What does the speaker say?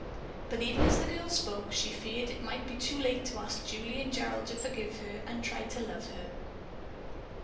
But even as the girl spoke she feared that it might be too late to ask Julie and Gerald to forgive her and try to love her.